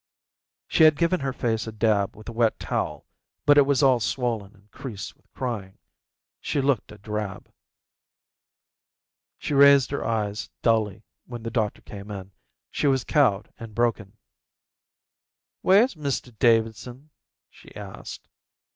She had given her face a dab with a wet towel, but it was all swollen and creased with crying. She looked a drab. She raised her eyes dully when the doctor came in. She was cowed and broken. "Where's Mr Davidson?" she asked.